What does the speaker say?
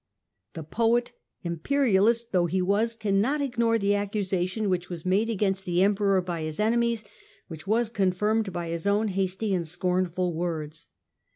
The poet, Imperialist though he is, cannot ignore the accusation which was made against the Emperor by his enemies, which was confirmed by his own hasty and scornful words.